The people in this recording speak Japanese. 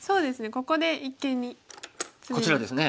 ここで一間にツメですか。